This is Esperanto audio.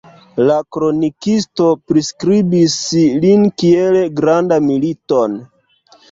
La kronikisto priskribis lin kiel granda militon.